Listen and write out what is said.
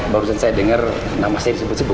barusan saya dengar nama saya disebut sebut